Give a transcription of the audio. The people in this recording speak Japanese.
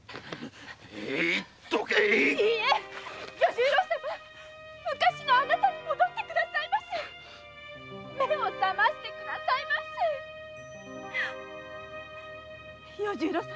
ええいどけ与十郎様昔のあなたに戻ってくださいませ目を醒ましてくださいませ与十郎様